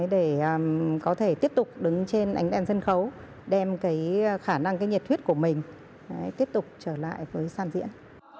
để có thể tiếp tục đứng trên ánh đèn sân khấu đem cái khả năng cái nhiệt huyết của mình tiếp tục trở lại với san diễn